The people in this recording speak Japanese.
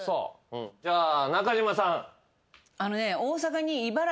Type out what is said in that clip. じゃあ中島さん。